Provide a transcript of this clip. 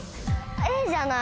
Ａじゃない？